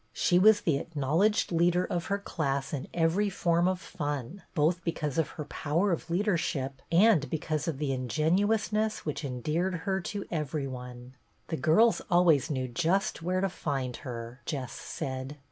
She was the acknowledged leader of her class in every form of fun, both because of her power of leadership and because of the in genuousness which endeared her to every one. The girls always knew just where to find her, Jess said.